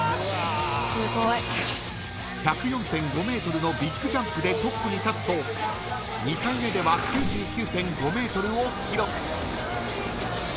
１０４．５メートルのビッグジャンプでトップに立つと２回目では９９．５メートルを記録。